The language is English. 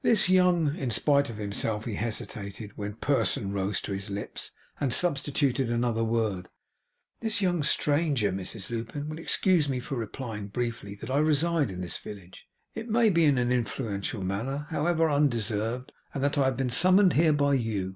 'This young' in spite of himself he hesitated when "person" rose to his lips, and substituted another word: 'this young stranger, Mrs Lupin, will excuse me for replying briefly, that I reside in this village; it may be in an influential manner, however, undeserved; and that I have been summoned here by you.